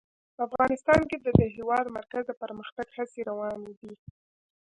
افغانستان کې د د هېواد مرکز د پرمختګ هڅې روانې دي.